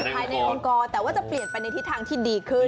ภายในองค์กรแต่ว่าจะเปลี่ยนไปในทิศทางที่ดีขึ้น